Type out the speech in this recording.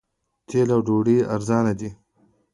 تیل او ډوډۍ ارزانه دي.